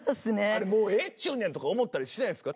あれもうええっちゅうねんとか思ったりしないんですか？